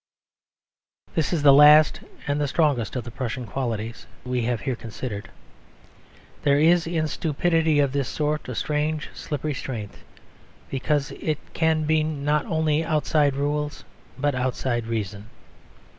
This is the last and strongest of the Prussian qualities we have here considered. There is in stupidity of this sort a strange slippery strength: because it can be not only outside rules but outside reason.